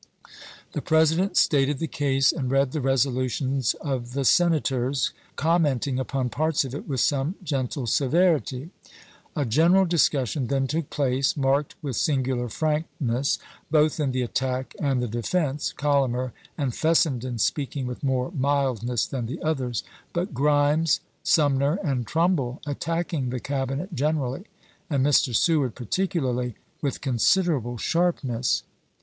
The President stated the case and read the resolutions of the Senators, comment ing upon parts of it with some gentle severity. A 266 ABEAHAM LINCOLN CHAP.xn. general discussion then took place, marked with singular frankness, both in the attack and the defense, Collamer and Fessenden speaking with more mildness than the others, but Grimes, Sum ner, and Trumbull attacking the Cabinet generally, and Ml'. Seward particularly, with considerable sharpness.